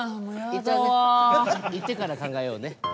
一回ね行ってから考えようね。